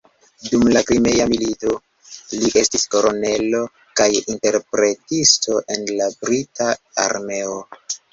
Dum la Krimea milito li estis kolonelo kaj interpretisto en la brita armeo.